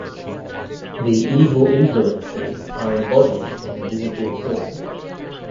The evil influences are embodied in a visible form.